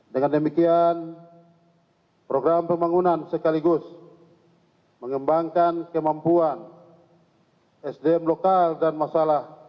dengan demikian program pembangunan sekaligus mengembangkan kemampuan sdm lokal dan masalah